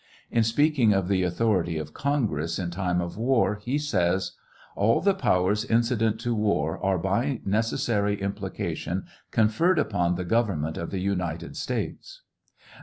In speaking of the authority of Congress in time of war, he says : All the powers incident to war are, by necessary implication, conferred upon the govern raent of the United States.